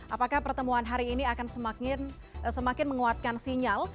apakah pertemuan hari ini akan semakin menguatkan sinyal